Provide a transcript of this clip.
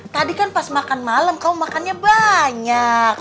tadi kan pas makan malam kamu makannya banyak